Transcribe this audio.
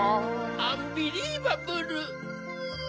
アンビリーバブル！